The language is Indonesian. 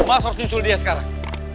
emas harus nyusul dia sekarang